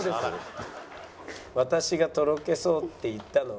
「私がとろけそうって言ったのは」。